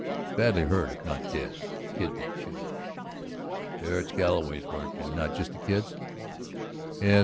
"He's badly hurt, if not dead. The Kid did the shooting." "Sure it's Galloway's work and not just the Kid's?" "Yes.